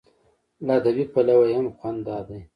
له ادبي پلوه یې هم خوند دا دی.